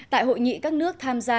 tại hội nghị các nước tham gia